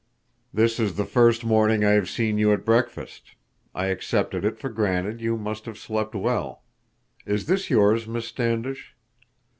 "This is the first morning I have seen you at breakfast. I accepted it for granted you must have slept well. Is this yours, Miss Standish?"